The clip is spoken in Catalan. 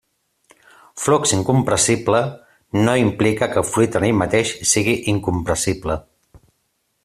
Flux incompressible no implica que el fluid en ell mateix sigui incompressible.